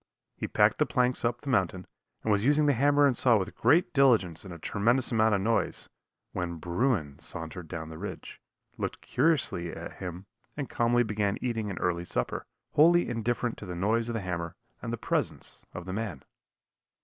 He packed the planks up the mountain, and was using the hammer and saw with great diligence and a tremendous amount of noise, when bruin sauntered down the ridge, looked curiously at him and calmly began eating an early supper, wholly indifferent to the noise of the hammer and the presence of the man.